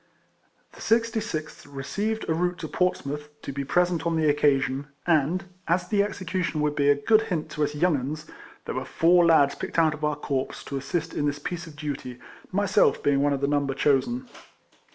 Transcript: The 66th received a route to Portsmouth, to be present on the occasion, and, as the execution would be a good hint to us young 'uns, there were four lads picked out of our corps to assist in this piece of duty, myself being one of the number chosen.